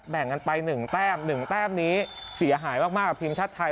แบ่งกันไป๑แต้ม๑แต้มนี้เสียหายมากกับทีมชาติไทย